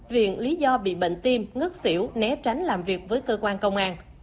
riêng lý do bị bệnh tim ngất xỉu né tránh làm việc với cơ quan công an